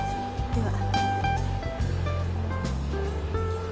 では。